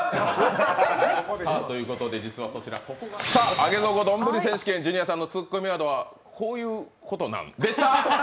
上げ底どんぶり選手権、ジュニアさんのツッコミワードは「こういうことなん？」でした！